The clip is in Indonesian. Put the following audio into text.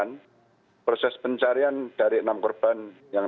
dan kalau di negeri saya terre tabat dir eigentlich zola warrior tbw kilowat